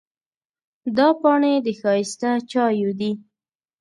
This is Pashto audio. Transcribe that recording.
دا پاڼې د ښایسته چایو دي.